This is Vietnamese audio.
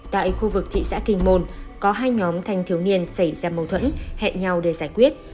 tại khu vực thị xã kinh môn có hai nhóm thanh thiếu niên xảy ra mâu thuẫn hẹn nhau để giải quyết